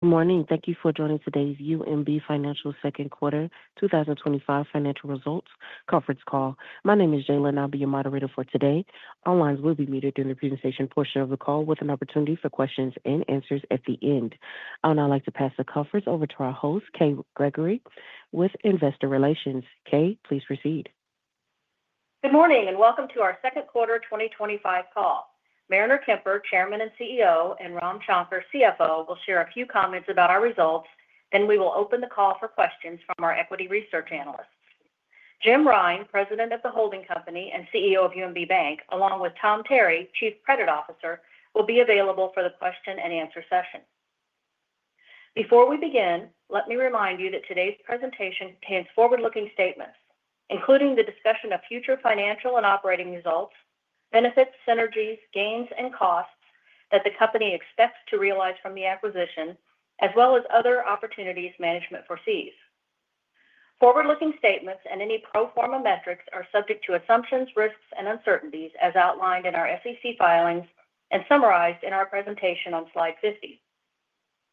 Good morning. Thank you for joining today's UMB Financial Second Quarter 2025 Financial Results Conference call. My name is Jayla and I'll be your moderator for today. All lines will be muted during the presentation portion of the call with an opportunity for questions and answers at the end. I would now like to pass the conference over to our host Kay Gregory with Investor Relations. Kay, please proceed. Good morning and welcome to our second quarter 2025 call. Mariner Kemper, Chairman and CEO, and Ram Shankar, CFO, will share a few comments about our results. We will open the call for questions from our equity research analysts. Jim Rine, President of the holding company and CEO of UMB Bank, along with Tom Terry, Chief Credit Officer, will be available for the question and answer session. Before we begin, let me remind you that today's presentation contains forward-looking statements including the discussion of future financial and operating results, benefits, synergies, gains and costs that the company expects to realize from the acquisition, as well as other opportunities management foresees. Forward-looking statements and any pro forma metrics are subject to assumptions, risks and uncertainties as outlined in our SEC filings and summarized in our presentation on slide 50.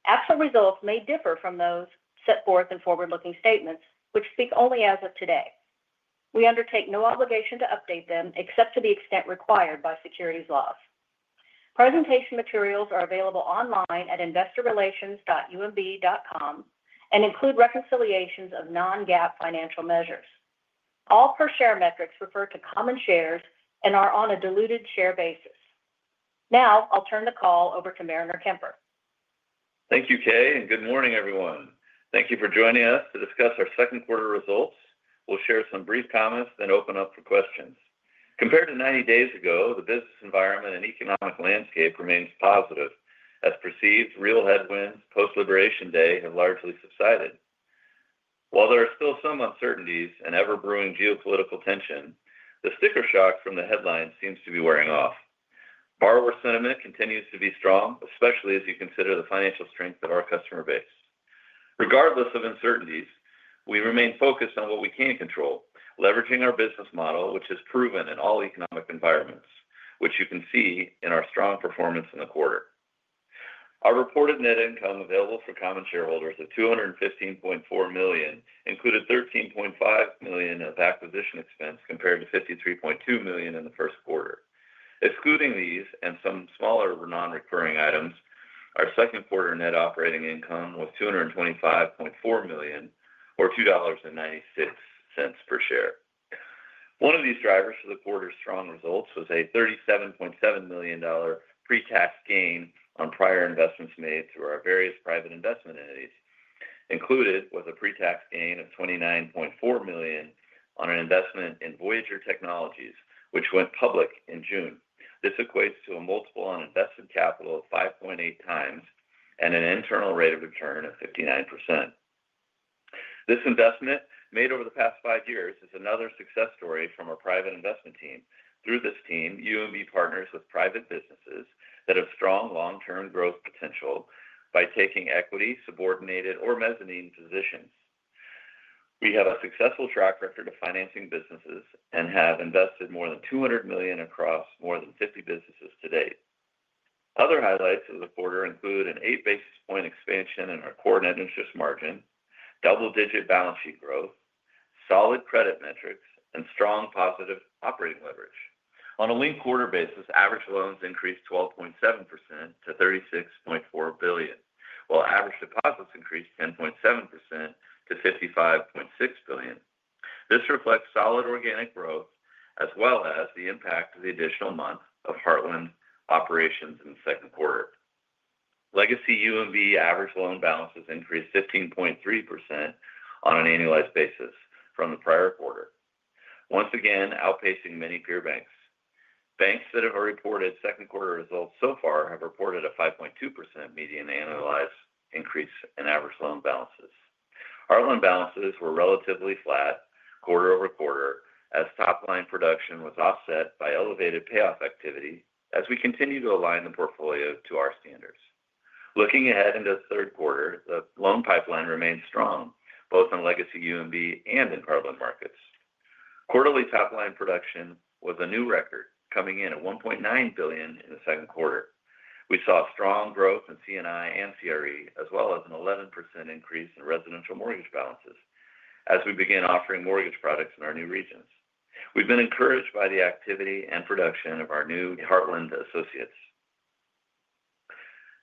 Actual results may differ from those set forth in forward-looking statements which speak only as of today. We undertake no obligation to update them except to the extent required by securities laws. Presentation materials are available online at investorrelations.umb.com and include reconciliations of non-GAAP financial measures. All per share metrics refer to common shares and are on a diluted share basis. Now I'll turn the call over to Mariner Kemper. Thank you, Kay, and good morning, everyone. Thank you for joining us to discuss our second quarter results. We'll share some brief comments, then open up for questions. Compared to 90 days ago, the business environment and economic landscape remains positive as perceived real headwinds post-Liberation Day have largely subsided. While there are still some uncertainties and ever-brewing geopolitical tension, the sticker shock from the headlines seems to be wearing off. Borrower sentiment continues to be strong, especially as you consider the financial strength of our customer base. Regardless of uncertainties, we remain focused on what we can control, leveraging our business model, which is proven in all economic environments, which you can see in our strong performance in the quarter. Our reported net income available for common shareholders of $215.4 million included $13.5 million of acquisition expense compared to $53.2 million in the first quarter. Excluding these and some smaller nonrecurring items, our second quarter net operating income was $225.4 million or $2.96 per share. One of the drivers for the quarter's strong results was a $37.7 million pre-tax gain on prior investments made through our various private investment entities. Included was a pre-tax gain of $29.4 million on an investment in Voyager Technologies, which went public in June. This equates to a multiple on invested capital of 5.8 times and an internal rate of return of 59%. This investment made over the past five years is another success story from our private investment team. Through this team, UMB partners with private businesses that have strong long-term growth potential by taking equity, subordinated, or mezzanine positions. We have a successful track record of financing businesses and have invested more than $200 million across more than 50 businesses to date. Other highlights of the quarter include an 8 basis point expansion in our core net interest margin, double-digit balance sheet growth, solid credit metrics, and strong positive operating leverage. On a linked quarter basis, average loans increased 12.7% to $36.4 billion, while average deposits increased 10.7% to $55.6 billion. This reflects solid organic growth as well as the impact of the additional month of Heartland operations. In the second quarter, legacy UMB average loan balances increased 15.3% on an annualized basis from the prior quarter, once again outpacing many peer banks. Banks that have reported second quarter results so far have reported a 5.2% median annualized increase in average loan balances. Our loan balances were relatively flat quarter over quarter as top line production was offset by elevated payoff activity as we continue to align the portfolio to our standards. Looking ahead into the third quarter, the loan pipeline remains strong both on Legacy UMB and in Heartland Markets. Quarterly top line production was a new record coming in at $1.9 billion. In the second quarter we saw strong growth in CNI and CRE as well as an 11% increase in residential mortgage balances. As we begin offering mortgage products in our new regions, we've been encouraged by the activity and production of our new Heartland Associates.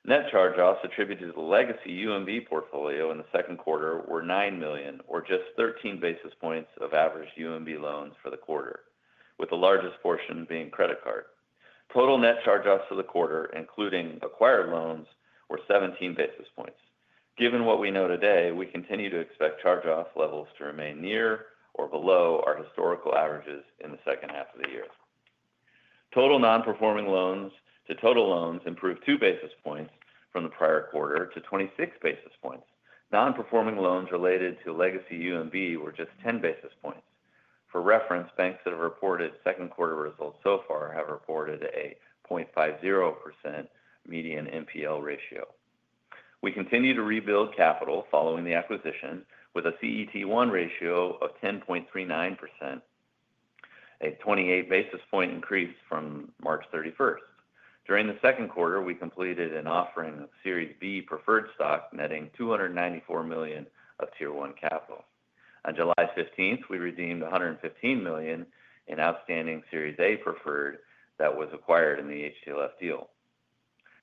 Net charge-offs attributed to the Legacy UMB portfolio in the second quarter were $9 million or just 13 basis points of average UMB loans for the quarter with the largest portion being credit card. Total net charge-offs for the quarter including acquired loans were 17 basis points. Given what we know today, we continue to expect charge-off levels to remain near or below our historical averages in the second half of the year. Total nonperforming loans to total loans improved 2 basis points from the prior quarter to 26 basis points. Nonperforming loans related to Legacy UMB were just 10 basis points for reference. Banks that have reported second quarter results so far have reported a 0.50% median NPL ratio. We continue to rebuild capital following the acquisition with a CET1 ratio of 10.39%, a 28 basis point increase from March 31. During the second quarter we completed an offering of Series B preferred stock netting $294 million of Tier 1 capital. On July 15 we redeemed $115 million in outstanding Series A preferred that was acquired in the HTLF deal.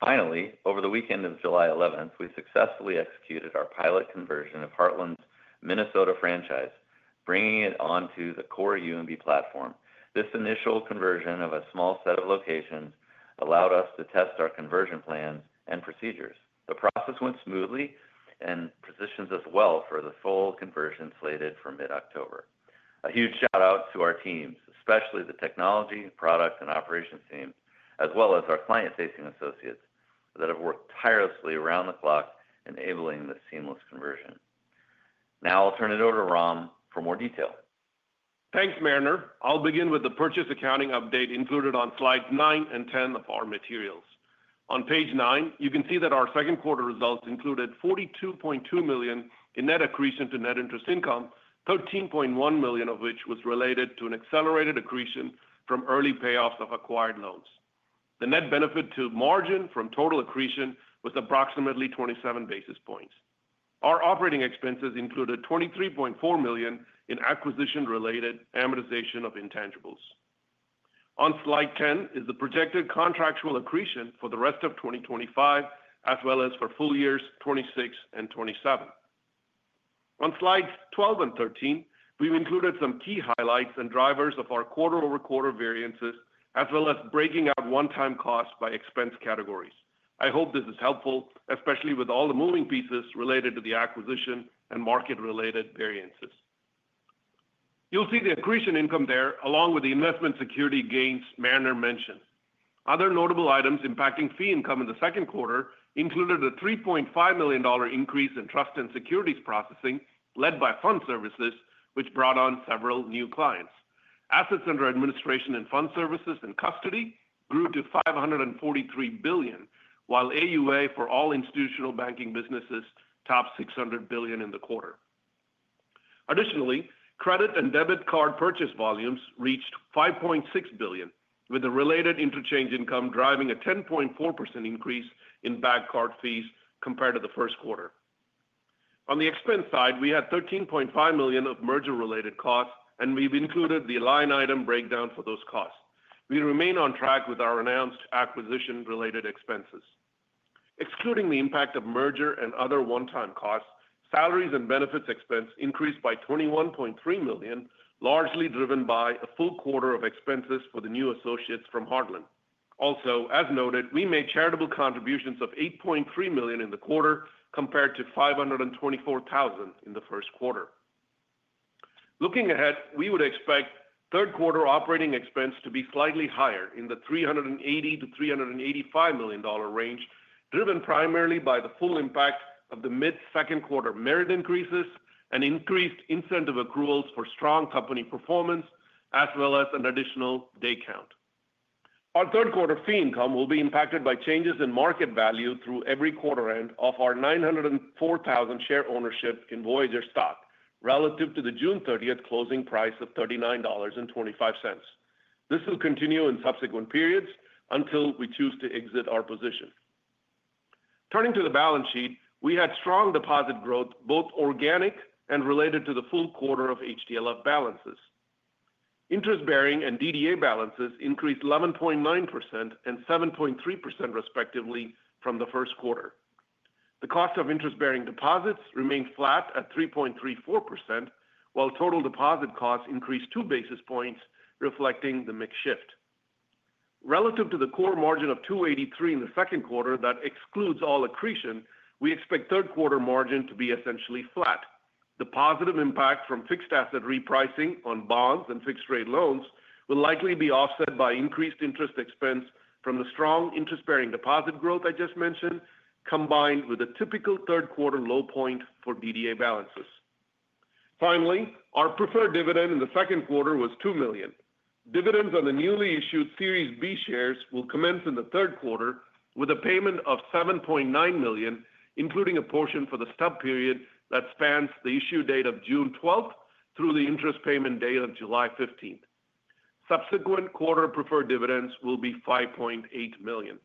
Finally, over the weekend of July 11, we successfully executed our pilot conversion of Heartland's Minnesota franchise, bringing it onto the core UMB platform. This initial conversion of a small set of locations allowed us to test our conversion plans and procedures. The process went smoothly and positions us well for the full conversion slated for mid-October. A huge shout out to our teams, especially the Technology, Product and Operations team as well as our client-facing associates that have worked tirelessly around the clock enabling the seamless conversion. Now I'll turn it over to Ram for more detail. Thanks Mariner. I'll begin with the purchase accounting update included on slide 9 and 10 of our materials. On page 9 you can see that our second quarter results included $42.2 million in net accretion to net interest income, $13.1 million of which was related to an accelerated accretion from early payoffs of acquired loans. The net benefit to margin from total accretion was approximately 27 basis points. Our operating expenses included $23.4 million in acquisition-related amortization of intangibles. On slide 10 is the projected contractual accretion for the rest of 2025 as well as for full years 2026 and 2027. On slides 12 and 13 we've included some key highlights and drivers of our quarter-over-quarter variances as well as breaking out one-time costs by expense categories. I hope this is helpful especially with all the moving pieces related to the acquisition and market-related variances. You'll see the accretion income there along with the investment security gains Mariner mentioned. Other notable items impacting fee income in the second quarter included a $3.5 million increase in trust and securities processing led by fund services which brought on several new clients. Assets under administration in fund services and custody grew to $543 billion, while AUA for all institutional banking businesses topped $600 billion in the quarter. Additionally, credit and debit card purchase volumes reached $5.6 billion with the related interchange income driving a 10.4% increase in bank card fees compared to the first quarter. On the expense side, we had $13.5 million of merger-related costs and we've included the line item breakdown for those costs. We remain on track with our announced acquisition-related expenses. Excluding the impact of merger and other one-time costs, salaries and benefits expense increased by $21.3 million, largely driven by a full quarter of expenses for the new associates from Heartland. Also, as noted, we made charitable contributions of $8.3 million in the quarter compared to $524,000 in the first quarter. Looking ahead, we would expect third quarter operating expense to be slightly higher in the $380 to $385 million range and driven primarily by the full impact of the mid-second quarter merit increases and increased incentive accruals for strong company performance as well as an additional day count. Our third quarter fee income will be impacted by changes in market value through every quarter end of our 904,000 share ownership in Voyager Technologies stock relative to the June 30 closing price of $39.25. This will continue in subsequent periods until we choose to exit our position. Turning to the balance sheet, we had strong deposit growth, both organic and related to the full quarter of HTLF balances. Interest bearing and DDA balances increased 11.9% and 7.3% respectively from the first quarter. The cost of interest bearing deposits remained flat at 3.34%, while total deposit costs increased 2 basis points, reflecting the mix shift relative to the core margin of 2.83% in the second quarter that excludes all accretion. We expect third quarter margin to be essentially flat. The positive impact from fixed asset repricing on bonds and fixed rate loans will likely be offset by increased interest expense from the strong interest bearing deposit growth I just mentioned, combined with a typical third quarter low point for DDA balances. Finally, our preferred dividend in the second quarter was $2 million. Dividends on the newly issued Series B preferred stock will commence in the third quarter with a payment of $7.9 million, including a portion for the stub period that spans the issue date of June 12 through the interest payment date of July 15. Subsequent quarter preferred dividends will be $5.8 million,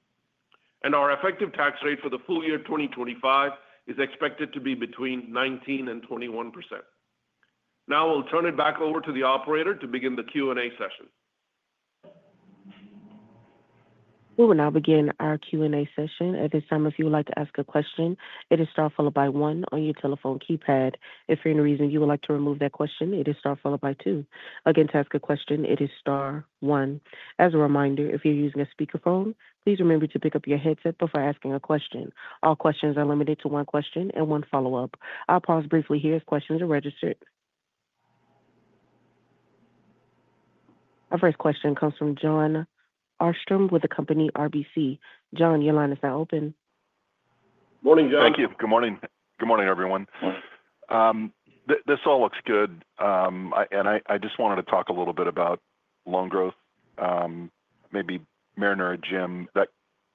and our effective tax rate for the full year 2025 is expected to be between 19% and 21%. Now we'll turn it back over to the operator to begin the Q&A session. We will now begin our Q and A session. At this time, if you would like to ask a question, it is star followed by one on your telephone keypad. If for any reason you would like to remove that question, it is star followed by two. Again, to ask a question, it is star one. As a reminder, if you are using a speakerphone, please remember to pick up your headset before asking a question. All questions are limited to one question and one follow up. I'll pause briefly here as questions are registered. Our first question comes from Jon Arfstrom with RBC Capital Markets. Jon, your line is now open. Morning, Jon. Thank you. Good morning. Good morning, everyone. This all looks good. Wanted to talk a little bit about loan growth, maybe Mariner. Jim, that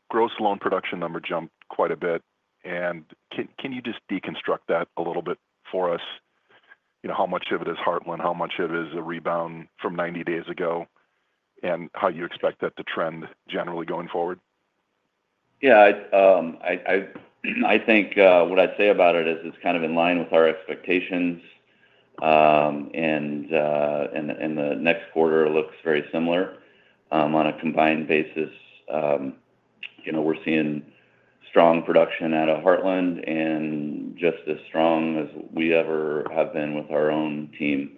gross loan production number jumped quite a bit. Can you just deconstruct that a little bit for us? How much of it is Heartland, how much of it is a rebound from 90 days ago, and how you expect that to trend generally going forward? I think what I say about it is it's kind of in line with our expectations. The next quarter looks very similar on a combined basis. We're seeing strong production out of Heartland and just as strong as we ever have been with our own team.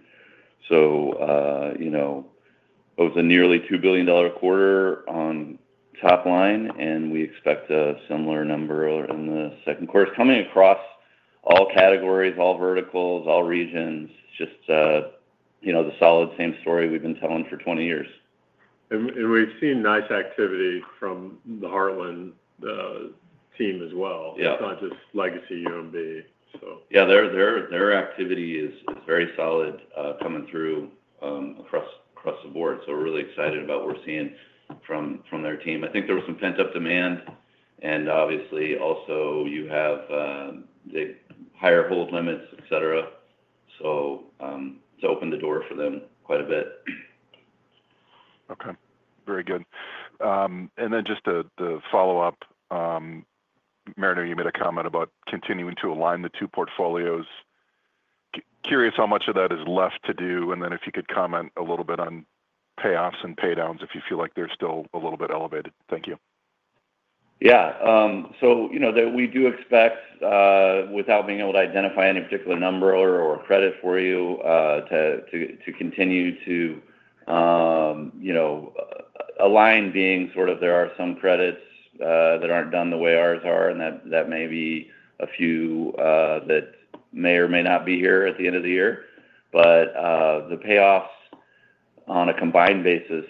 It was a nearly $2 billion quarter on top line, and we expect a similar number in the second quarter coming across all categories, all verticals, all regions, just the solid same story we've been telling for 20 years. We have seen nice activity from the Heartland team as well, Yeah, Not just legacy UMB. Their activity is very solid coming through across the board. We're really excited about what we're seeing from their team. I think there was some pent up demand and obviously also you have the higher hold limits, etc. It opened the door for them quite a bit. Okay, very good. Just to follow up, Mariner, you made a comment about continuing to. Align the two portfolios. Curious how much of that is left to do. If you could comment a little bit on payoffs and pay downs, if you feel like they're still a little bit elevated. Thank you. Yeah, we do expect, without being able to identify any particular number or credit for you, to continue to align being sort of. There are some credits that aren't done the way ours are, and that may be a few that may or may not be here at the end of the year, but the payoffs on a combined basis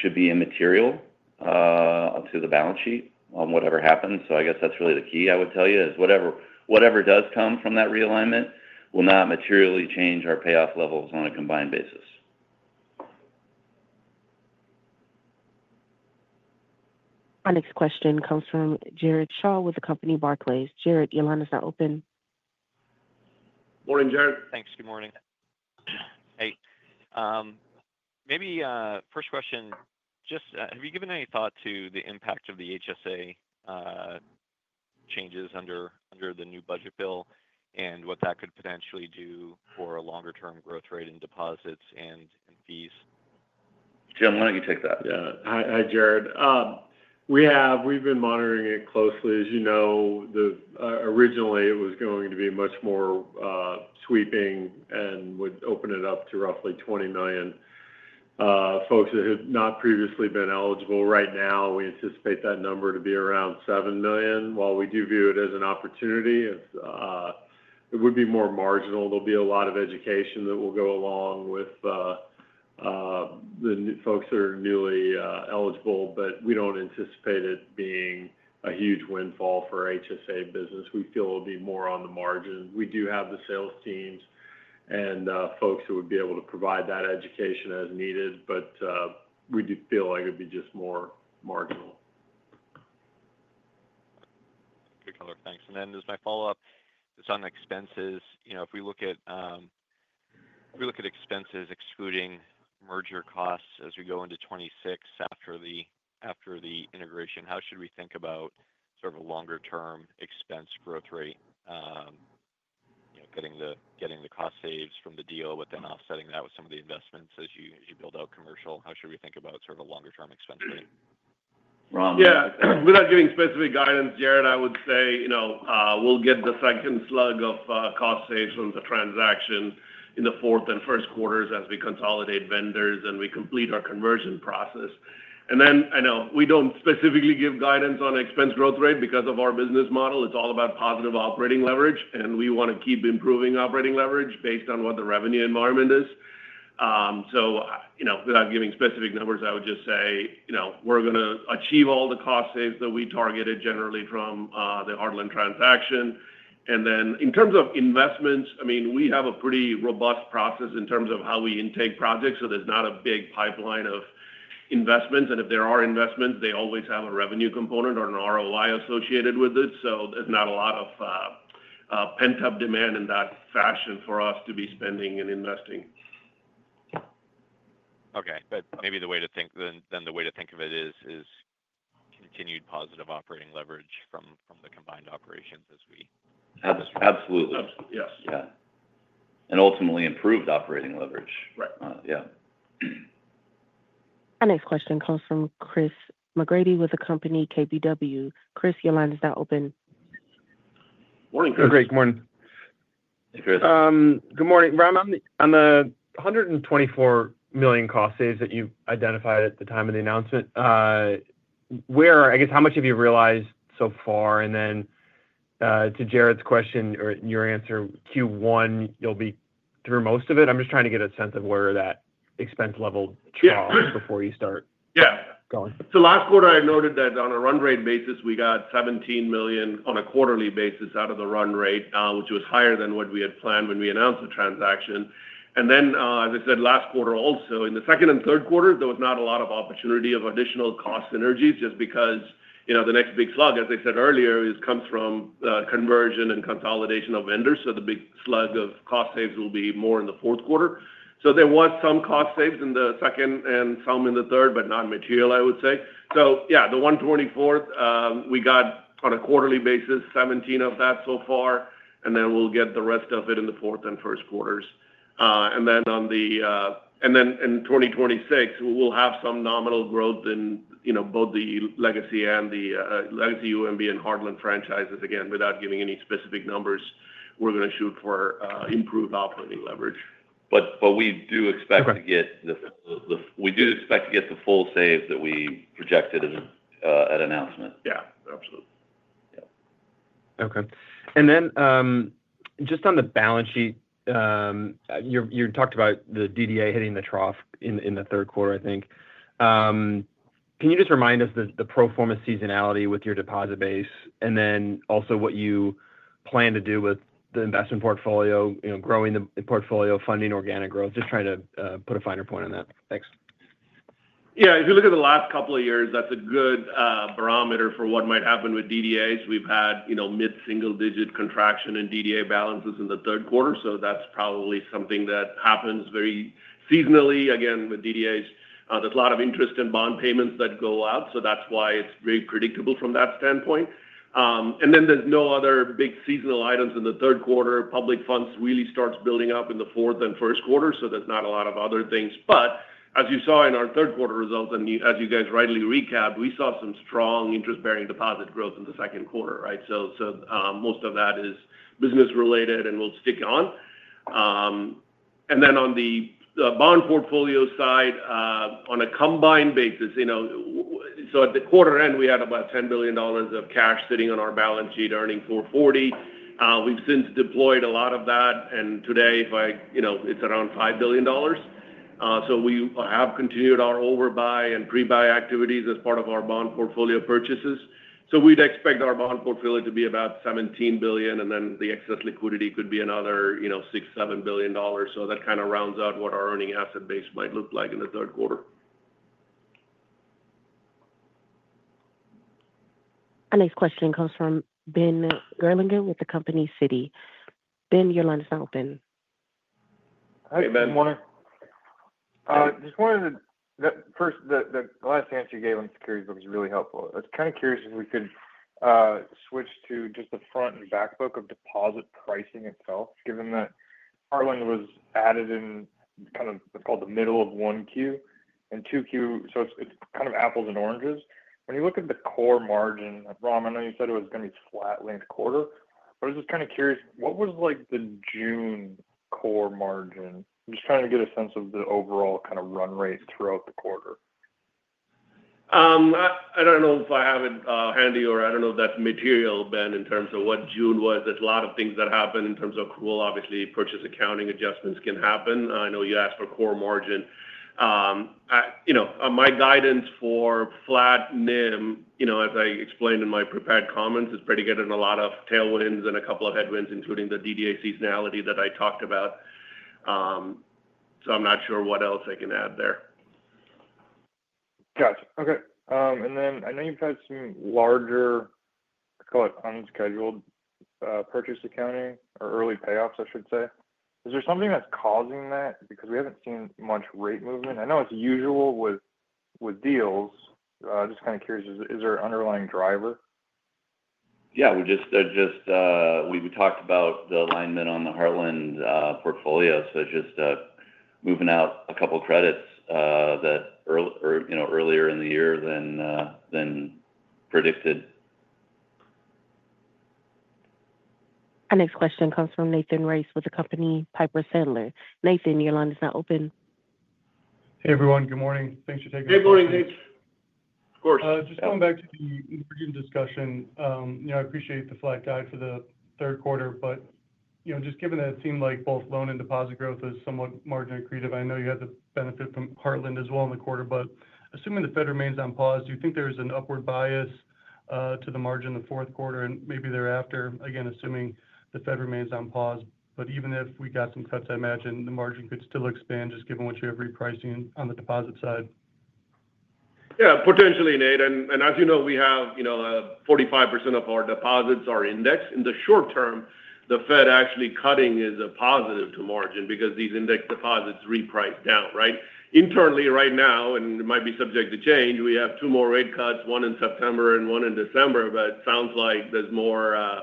should be immaterial to the balance sheet on whatever happens. I guess that's really the key. I would tell you whatever does come from that realignment will not materially change our payoff levels on a combined basis. Our next question comes from Jared Shaw with Barclays. Jared, your line is now open. Morning, Jared. Thanks. Good morning. Maybe first question, just have you given any thought to the impact of the HSA regulatory changes under the new budget bill and what that could potentially do for a longer term growth rate in deposits and fees? Jim, why don't you take that? Yeah. Hi, Jared. We've been monitoring it closely. As you know, originally it was going to be much more sweeping and would open it up to roughly 20 million folks that had not previously been eligible. Right now we anticipate that number to be around 7 million. While we do view it as an opportunity, it would be more marginal. There'll be a lot of education that will go along with the folks that are newly eligible, but we don't anticipate. It being a huge windfall for HSA business. We feel it'll be more on the margin. We do have the sales teams and folks who would be able to provide. That education as needed, but we do feel like it'd be just more marginal. Thanks. As my follow-up, just on expenses, if we look at expenses excluding merger costs as we go into 2026 after the integration, how should we think about sort of a longer-term expense growth rate, getting the cost saves from the deal but then offsetting that with some of the investments as you build out commercial, how should we think about sort of a longer-term expense? Without giving specific guidance, Jared, I would say, you know, we'll get the second slug of cost saves from the transaction in the fourth and first quarters as we consolidate vendors and we complete our conversion process. I know we don't specifically give guidance on expense growth rate because of our business model. It's all about positive operating leverage, and we want to keep improving operating leverage based on what the revenue environment is. Without giving specific numbers, I would just say, you know, we're going to achieve all the cost saves that we targeted generally from the Heartland transaction. In terms of investments, I mean, we have a pretty robust process in terms of how we intake projects, so there's not a big pipeline of investments. If there are investments, they always have a revenue component or an ROI associated with it. There's not a lot of pent up demand in that fashion for us to be spending and investing. Okay, maybe the way to think of it is continued positive operating leverage from the combined operations as we—absolutely, yes, yeah. Ultimately, improved operating leverage. Right. Yeah. Our next question comes from Christopher McGratty with Keefe, Bruyette & Woods, Inc. Chris, your line is now open. Morning, Chris. Good morning. Ram. On the $124 million projected cost saves that you identified at the time of the announcement, where, I guess, how much have you realized so far? To Jared's question or your answer, Q1, you'll be through most of it. I'm just trying to get a sense. Of where that expense level before you start. Yeah. Last quarter I noted that on a run rate basis we got $17 million on a quarterly basis out of the run rate, which was higher than what we had planned when we announced the transaction. As I said last quarter, also in the second and third quarters, there was not a lot of opportunity of additional cost synergies just because, you know, the next big slog, as I said earlier, comes from conversion and consolidation of vendors. The big slug of projected cost saves will be more in the fourth quarter. There was some cost saves in the second and some in the third, but not material, I would say. The $124 million we got on a quarterly basis, $17 million of that so far. We'll get the rest of it in the fourth and first quarters. In 2026 we will have some nominal growth in both the legacy UMB and Heartland franchises. Again, without giving any specific numbers, we're. Going to shoot for improved operating leverage. We do expect to get the full save that we projected at announcement. Yeah, absolutely. Okay, on the balance sheet, you talked about the DDA hitting the trough in the third quarter, I think. Can you just remind us the pro forma seasonality with your deposit base, and then also what you plan to do with the investment portfolio, growing the portfolio, funding organic growth? Just trying to put a finer point on that. Thanks. Yeah, if you look at the last couple of years, that's a good barometer for what might happen with DDAs. We've had mid single digit contraction in DDA balances in the third quarter, so that's probably something that happens very seasonally. With DDAs, there's a lot of interest in bond payments that go out, so that's why it's very predictable from that standpoint. There's no other big seasonal items in the third quarter. Public funds really start building up in the fourth and first quarter. There's not a lot of other things. As you saw in our third quarter results and as you guys rightly recap, we saw some strong interest bearing deposit growth in the second quarter. Right. Most of that is business related and will stick on, and then on the bond portfolio side on a combined basis, at the quarter end we had about $10 billion of cash sitting on our balance sheet earning 4.40%. We've since deployed a lot of that and today it's around $5 billion. We have continued our overbuy and pre buy activities as part of our bond portfolio purchases. We'd expect our bond portfolio to be about $17 billion, and then the excess liquidity could be another $6 billion, $7 billion. That kind of rounds out what our earning asset base might look like in the third quarter. Our next question comes from Benjamin Gerlinger with Citigroup Inc. Ben, your line is now open. Just one of the first, the last answer you gave on security book is really helpful. I was kind of curious if we could switch to just the front and back book of deposit pricing itself given that Heartland was added in kind of what's called the middle of 1Q and 2Q. It's kind of apples and oranges when you look at the core margin. Ram, I know you said it was going to be flat length quarter, but I was just kind of curious what was like the June core margin. Just trying to get a sense of the overall kind of run rate throughout the quarter. I don't know if I have it handy or I don't know if that's material. Ben, in terms of what June was, there's a lot of things that happened in terms of accrual. Obviously, purchase accounting adjustments can happen. I know you asked for core margin. You know my guidance for flat NIM, as I explained in my prepared comments, is pretty good in a lot of tailwinds and a couple of headwinds including the DDA seasonality that I talked about. I'm not sure what else I can add there. Gotcha. Okay. I know you've had some larger, call it unscheduled purchase accounting or early payoffs I should say. Is there something that's causing that because we haven't seen much rate movement? I know it's usual with deals. Just kind of curious, is there an underlying driver? Yeah, we just talked about the alignment on the Heartland portfolio, so just moving out a couple credits earlier in the year than predicted. Our next question comes from Nathan Race with the company Piper Sandler & Co. Nathan, your line is now open. Hey everyone, good morning, thanks for taking. Good morning. Thanks. Of course. Just going back to the discussion, I appreciate the flat guide for the third quarter, but just given that it seemed like both loan and deposit growth is somewhat margin accretive. I know you had the benefit from. Heartland as well in the quarter, but assuming the Fed remains on pause, do you think there is an upward bias to the margin the fourth quarter and maybe thereafter? Again, assuming the Fed remains on pause, but even if we got some cuts, I imagine the margin could still expand just given what you have repricing on the deposit side. Yeah, potentially Nate. As you know, we have 45% of our deposits indexed in the short term. The Fed actually cutting is a positive to margin because these index deposits repriced down. Right now, and it might be subject to change, we have two more rate cuts, one in September and one in December. It sounds like there's more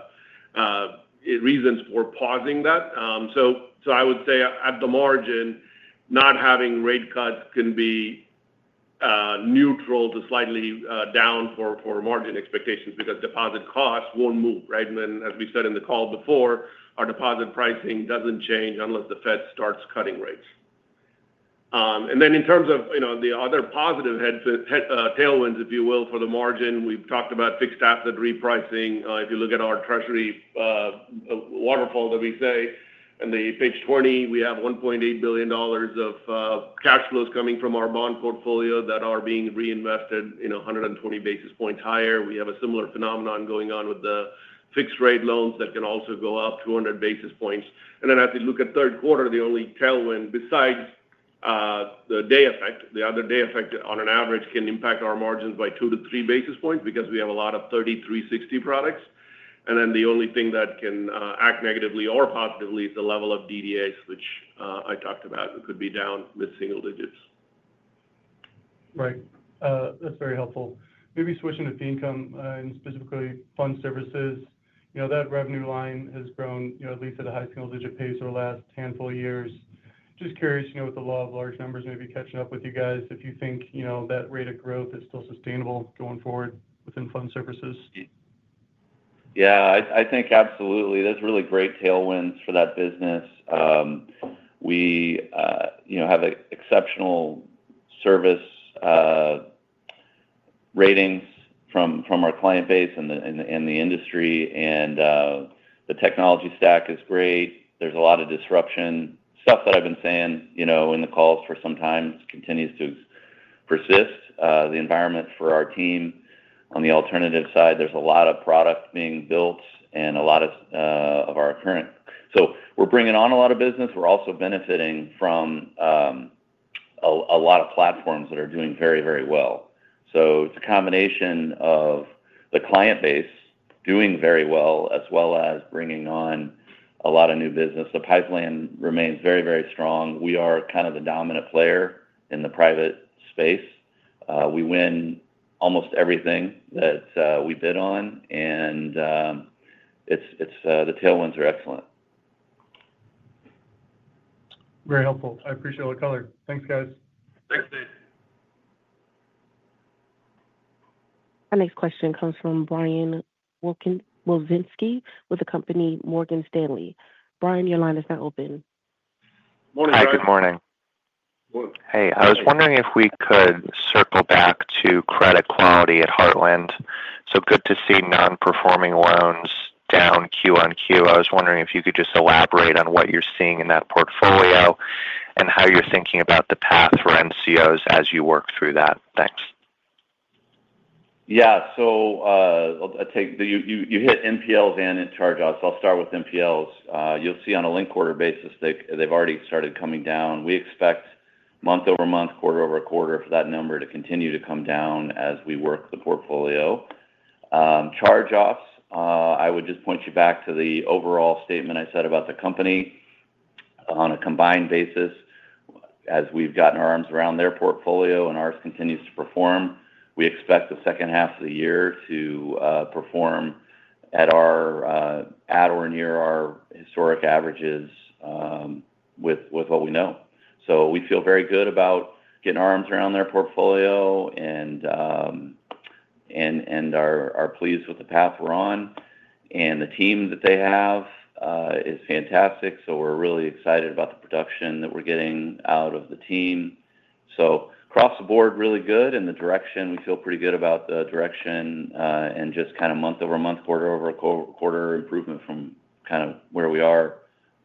reasons for pausing that. I would say at the margin not having rate cuts can be neutral to slightly down for margin expectations because deposit costs won't move. As we said in the call before, our deposit pricing doesn't change unless the Fed starts cutting rates. In terms of the other positive tailwinds, if you will, for the margin, we've talked about fixed asset repricing. If you look at our treasury waterfall that we say on page 20, we have $1.8 billion of cash flows coming from our bond portfolio that are being reinvested 120 basis points higher. We have a similar phenomenon going on with the fixed rate loans that can also go up 200 basis points. As you look at third quarter, the only tailwind besides the day effect, the other day effect on an average can impact our margins by 2 to 3 basis points because we have a lot of 33, 60 products. The only thing that can act negatively or positively is the level. Of DDAs, which I talked about, could. Be down mid single digits. Right. That's very helpful. Maybe switching to fee income and specifically fund services. That revenue line has grown at least at a high single-digit pace over the last handful of years. Just curious, with the law of large numbers maybe catching up with you guys, if you think that rate of growth is still sustainable going forward within fund services? Yeah, I think absolutely. There are really great tailwinds for that business. We have exceptional service ratings from our client base and the industry, and the technology stack is great. There's a lot of disruption stuff that I've been saying in the calls for some time continues to persist. The environment for our team on the alternative side, there's a lot of product being built and a lot of our current. We're bringing on a lot of business. We're also benefiting from a lot of platforms that are doing very, very well. It's a combination of the client base doing very well as well as bringing on a lot of new business. The pipeline remains very, very strong. We are kind of the dominant player in the private space. We win almost everything that we bid on, and the tailwinds are excellent. Very helpful. I appreciate all the color. Thanks guys. Thanks, Nate. Our next question comes from Brian Wilczynski with Morgan Stanley. Brian, your line is now open. Hi, good morning. I was wondering if we could circle back to credit quality at Heartland. It is good to see nonperforming loans down Q on Q. I was wondering if you could just elaborate on what you're seeing in that portfolio and how you're thinking about the path for NCOs as you work through that. Thanks. Yeah, so. You hit NPLs and charge-offs. I'll start with NPLs. You'll see on a linked quarter basis they've already started coming down. We expect month over month, quarter over quarter for that number to continue to come down as we work the portfolio charge-offs. I would just point you back to the overall statement I said about the company on a combined basis as we've gotten our arms around their portfolio and ours continues to perform. We expect the second half of the year to perform at or near our historic averages with what we know. We feel very good about getting our arms around their portfolio and are pleased with the path we're on and the team that they have is fantastic. We're really excited about the production that we're getting out of the team. Across the board, really good. The direction, we feel pretty good about the direction and just kind of month over month, quarter over quarter improvement from where we are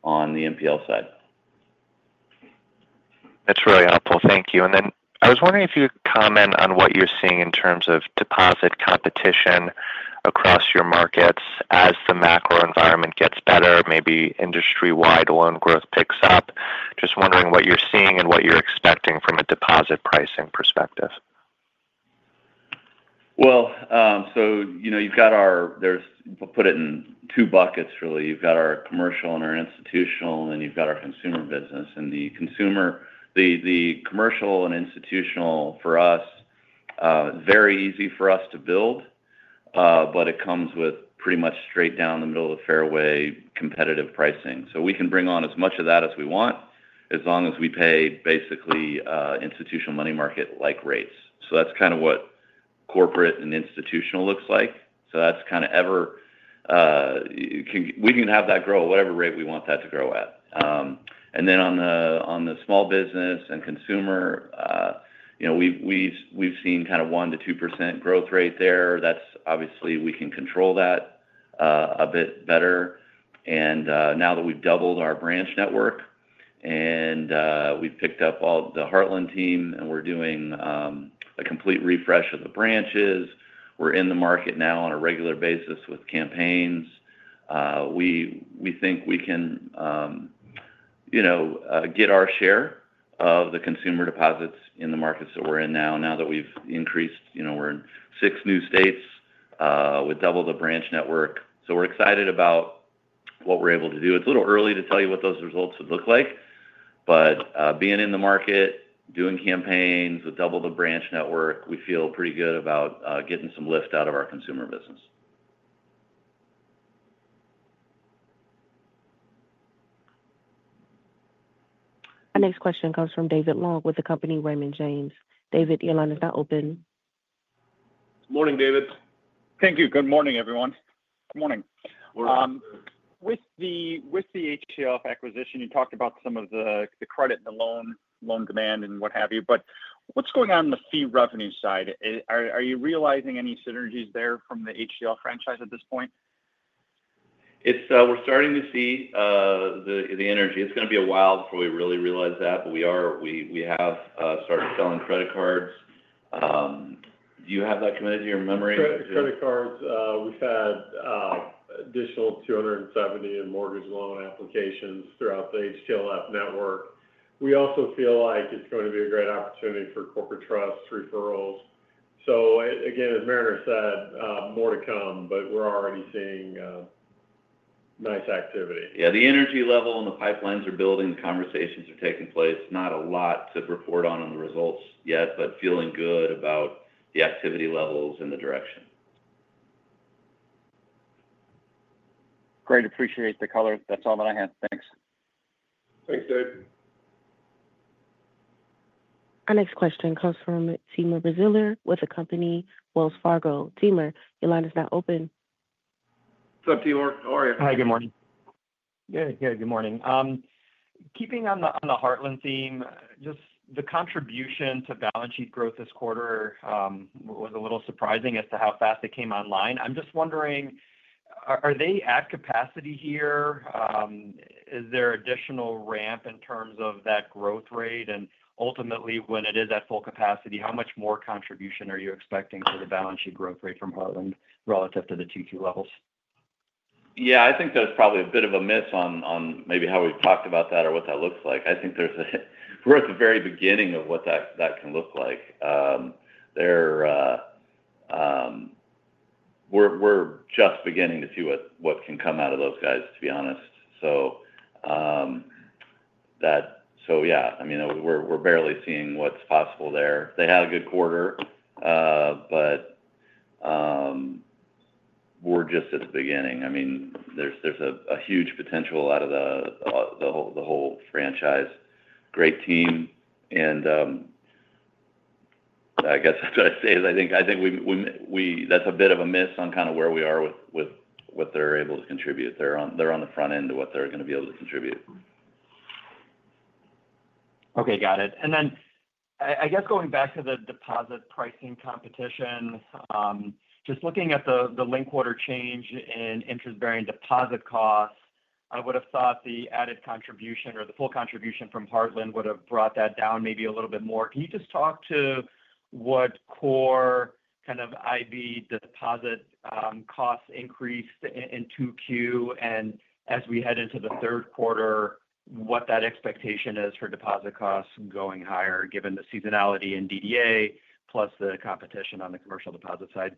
on the NPL side. That's really helpful, thank you. I was wondering if you could comment on what you're seeing in terms of deposit competition across your markets as the macro environment gets better, maybe industry-wide loan growth picks up. Just wondering what you're seeing and what you're expecting from a deposit pricing perspective. You know, you've got our, there's, put it in two buckets really. You've got our commercial and our institutional and then you've got our consumer business. The commercial and institutional for us, very easy for us to build but it comes with pretty much straight down the middle of fairway competitive pricing. We can bring on as much of that as we want as long as we pay basically institutional money market-like rates. That's kind of what corporate and institutional looks like. We can have that grow at whatever rate we want that to grow at. On the small business and consumer, we've seen kind of 1% to 2% growth rate there. We can control that a bit better. Now that we've doubled our branch network and we picked up all the Heartland team and we're doing a complete refresh of the branches, we're in the market now on a regular basis with campaigns. We think we can get our share of the consumer deposits in the markets that we're in now. Now that we've increased, we're in six new states with double the branch network. We're excited about what we're able to do. It's a little early to tell you what those results would look like, but being in the market doing campaigns with double the branch network, we feel pretty good about getting some lift out of our consumer business. Our next question comes from David Joseph Long with Raymond James & Associates Inc. David, your line is now open. Morning David. Thank you. Good morning, everyone. Good morning. With the HTLF acquisition, you talked about some of the credit and the loan demand and what have you. What's going on the fee revenue side? Are you realizing any synergies there from the HTLF franchise? At this point we're starting to see the energy. It's going to be a while before we really realize that, but we are. We have started selling credit cards. Do you have that committed to your memory? Credit cards? We've had an additional 270 in mortgage loan applications throughout the HTLF network. We also feel like it's going to be a great opportunity for corporate trust referrals. As Mariner said, more to come, but we're already seeing nice activity. Yeah, the energy level and the pipelines are building. Conversations are taking place. Not a lot to report on, on the results yet, but feeling good about the activity levels and the direction. Great. Appreciate the color. That's all that I have. Thanks. Thanks, David. Our next question comes from Timur Felixovich Braziler with Wells Fargo Securities LLC, Timur, your line is now open. What's up Timur? How are you? Hi, good morning. Good, good morning. Keeping on the Heartland theme, just the contribution to balance sheet growth this quarter was a little surprising as to how fast it came online. I'm just wondering are they at capacity here? Is there additional ramp in terms of that growth rate and ultimately when it is at full capacity, how much more contribution are you expecting for the balance sheet growth rate from Heartland relative to the T2 levels? I think there's probably a bit of a miss on maybe how we've talked about that or what that looks like. I think we're at the very beginning of what that can look like. We're just beginning to see what can come out of those guys, to be honest. We're barely seeing what's possible there. They had a good quarter but we're just at the beginning. There is a huge potential out of the whole franchise. Great team and I guess that's what I say is I think that's a bit of a miss on kind of where we are with what they're able to contribute. They're on the front end of what they're going to be able to contribute. Okay, got it. I guess going back to the deposit pricing competition, just looking at the link quarter change in interest bearing deposit costs, I would have thought the added contribution or the full contribution from Heartland would have brought that down maybe a little bit more. Can you just talk to what core kind of IB deposit costs increased in 2Q and as we head into the third quarter, what that expectation is for deposit costs going higher given the seasonality in DDA plus the competition on the commercial deposit side.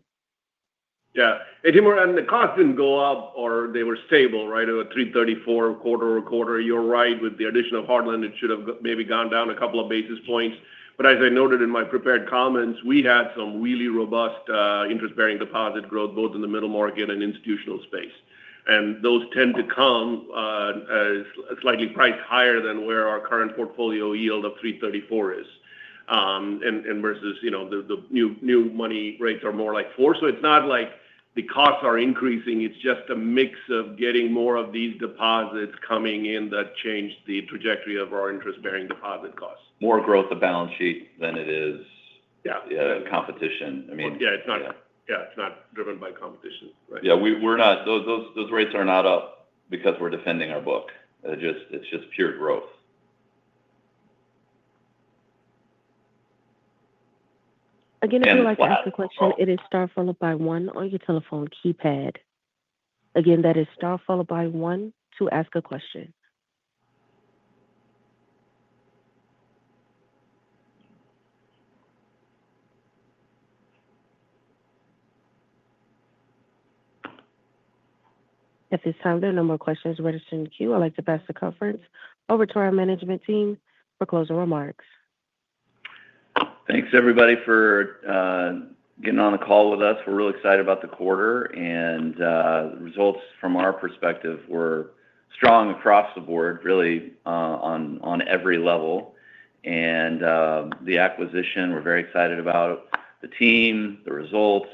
Yeah, Timur. The cost didn't go up or they were stable, right? 334 quarter over quarter. You're right, with the addition of Heartland it should have maybe gone down a couple of basis points. As I noted in my prepared comments, we had some really robust interest-bearing deposit growth both in the middle market and institutional space. Those tend to come slightly priced higher than where our current portfolio yield of 334 is versus, you know, the new money rates are more like 4. It's not like the costs are increasing, it's just a mix of getting more of these deposits coming in that change the trajectory of our interest-bearing deposit. Costs, more growth the balance sheet than it is competition. Yeah, it's not driven by competition. Right. Yeah, we're not. Those rates are not up because we're defending our book. It's just pure growth. Again, if you would like to ask a question, it is star followed by one on your telephone keypad. Again, that is star followed by one to ask a question. At this time, there are no more questions registered in the queue. I'd like to pass the conference over to our management team for closing remarks. Thanks everybody for getting on the call with us. We're really excited about the quarter, and results from our perspective were strong across the board, really on every level. The acquisition, we're very excited about the team, the results.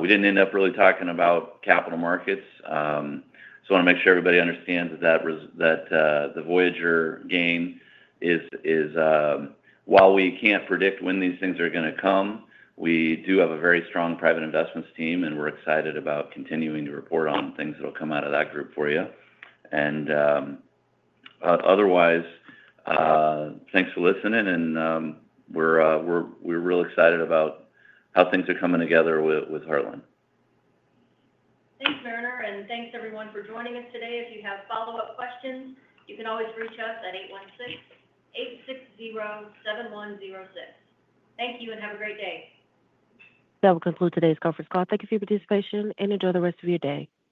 We didn't end up really talking about capital markets. I want to make sure everybody understands that the Voyager gain is, while we can't predict when these things are going to come, we do have a very strong private investments team, and we're excited about continuing to report on things that will come out of that group for you and otherwise. Thanks for listening, and we're real excited about how things are coming together with Heartland. Thanks Mariner and thanks everyone for joining us today. If you have follow up questions, you can always reach us at 8607106. Thank you and have a great day. That will conclude today's conference call. Thank you for your participation and enjoy the rest of your day.